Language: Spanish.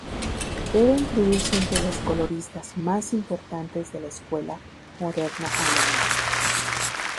Debe incluirse entre los coloristas más importantes de la escuela moderna alemana.